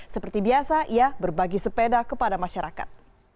seperti biasa ia berbagi sepeda kepada masyarakat